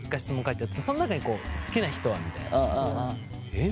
「えっ？」